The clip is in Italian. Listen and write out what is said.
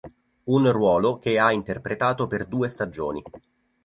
Un ruolo che ha interpretato per due stagioni.